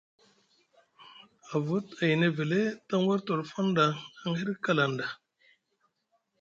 Avut ayni Evele taŋ war tolofon ɗa aŋ hiɗi kalaŋ ɗa.